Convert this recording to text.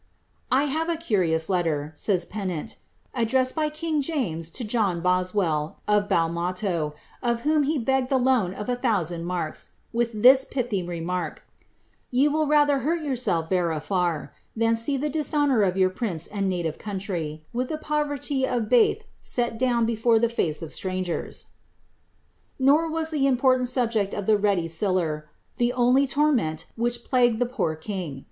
" I have a curious letter," savs Pennant, '• addressed by king James lo John Bosweil, of Balmalo, of whom he begged the loan of a thousand marks, with tiiis pithy remark, " Ye will railier hurt yourself vera far, than see the dishonour of your prince and native country, wiih ilie poverty of baith set down before tlie face of slrangers.' " Nor was the important subject of the "ready siller" ihe nnlv tor ment which plagued the poor king.